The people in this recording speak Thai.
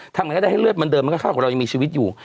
ทำไงก็ได้ให้เลือดมันเดิมมันก็เข้ากับเรายังมีชีวิตอยู่